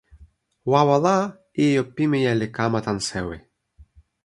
wawa la, ijo pimeja li kama tan sewi.